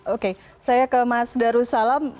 oke saya ke mas darussalam